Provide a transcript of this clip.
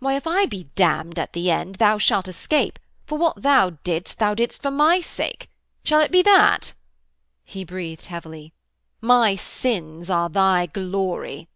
Why, if I be damned at the end thou shalt escape, for what thou didst thou didst for my sake? Shall it be that?' He breathed heavily. 'My sins are thy glory.'